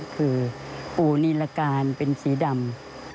คือปูนิรการเป็นสีดำ